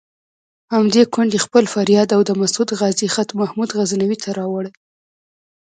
همدې کونډې خپل فریاد او د مسعود غازي خط محمود غزنوي ته راوړی.